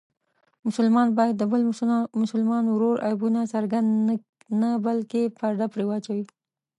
مسلمان باید د بل مسلمان ورور عیبونه څرګند نه بلکې پرده پرې واچوي.